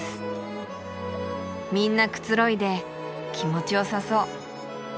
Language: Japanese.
みんなくつろいで気持ちよさそう。